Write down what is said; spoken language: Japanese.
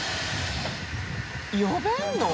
呼べるの？